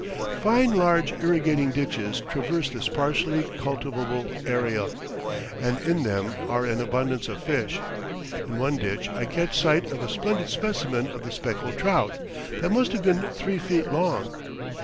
Fine large irrigating ditches traverse this partially cultivable area, and in them are an abundance of fish. In one ditch I catch sight of a splendid specimen of the speckled trout, that must have been three feet long.